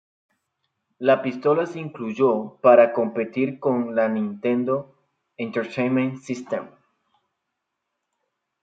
La pistola se incluyó para competir con la Nintendo Entertainment System.